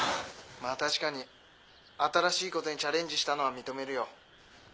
まあ確かに新しいことにチャレンジしたのは認めるよ。